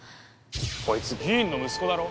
こいつ議員の息子だろ？